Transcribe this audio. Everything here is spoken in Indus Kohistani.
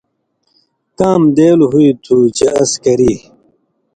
کام دېل ہُوئ تُھو چے اس کری۔